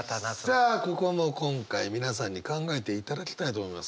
さあここも今回皆さんに考えていただきたいと思います。